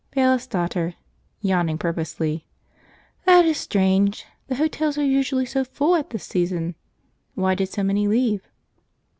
Bailiff's Daughter (yawning purposely). "That is strange; the hotels are usually so full at this season. Why did so many leave?"